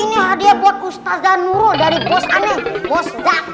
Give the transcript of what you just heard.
ini hadiah buat ustazan nurul dari bos aneh